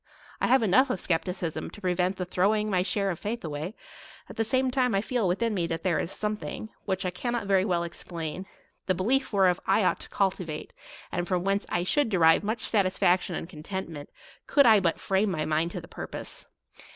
I have enough of skepticism to prevent the throwing my share of faith away : at the same time I feel within me that there is something, which I cannot very well explain, the belief whereof I ought to cultivate, and from whence I should derive much satisfaction and content merit, could I but frame my mind to the pur pose.